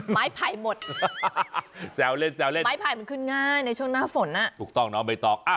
ไม้ไผ่หมดแซวเล่นแซวเล่นไม้ไผ่มันขึ้นง่ายในช่วงหน้าฝนอ่ะถูกต้องน้องใบตอง